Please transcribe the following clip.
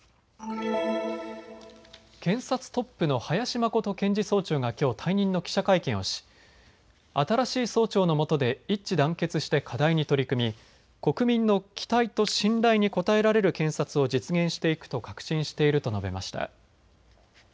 検察トップの林眞琴検事総長がきょう退任の記者会見をし新しい総長のもとで一致団結して課題に取り組み国民の期待と信頼に応えられる検察を実現していくと確信していると述べました。